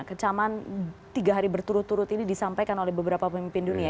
kecaman tiga hari berturut turut ini disampaikan oleh beberapa pemimpin dunia